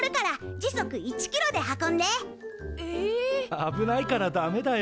危ないからダメだよ。